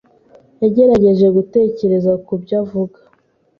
yagerageje gutekereza kubyo avuga.